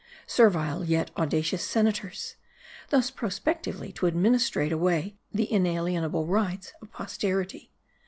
Servile, yet audacious senators ! thus prospectively to administrate away the inalienable rights of posterity.